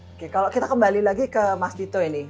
oke kalau kita kembali lagi ke mas dito ini